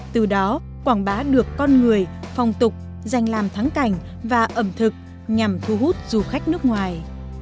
từ đó quảng bá được con người phong tục dành làm thắng cảnh và ẩm thực nhằm thu hút du khách nước ngoài